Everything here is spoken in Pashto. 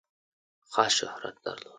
خاص شهرت درلود.